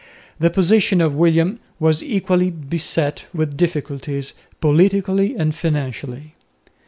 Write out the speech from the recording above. The position of William was equally beset with difficulties, politically and financially.